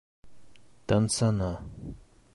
Тынсыны.